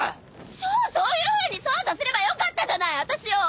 じゃあそういうふうに操作すればよかったじゃないあたしを！